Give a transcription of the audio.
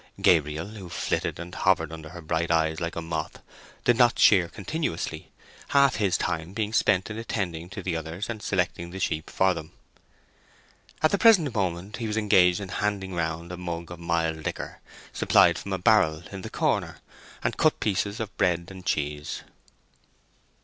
Gabriel, who flitted and hovered under her bright eyes like a moth, did not shear continuously, half his time being spent in attending to the others and selecting the sheep for them. At the present moment he was engaged in handing round a mug of mild liquor, supplied from a barrel in the corner, and cut pieces of bread and cheese.